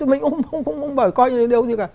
mình không phải coi như điều gì cả